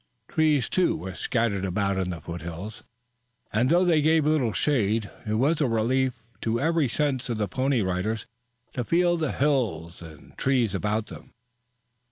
Trees, too, were scattered about in the foothills, and though they gave little shade it was a relief to every sense of the Pony Riders to feel the hills and trees about them.